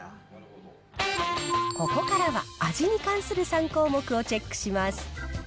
ここからは、味に関する３項目をチェックします。